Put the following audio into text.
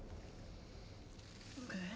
えっ？